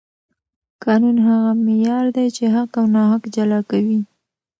قانون هغه معیار دی چې حق او ناحق جلا کوي